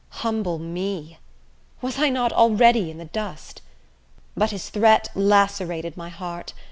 Humble me! Was I not already in the dust? But his threat lacerated my heart.